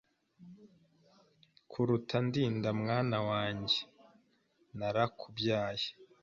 kuruta ndinda mwana wanjye narakubyaye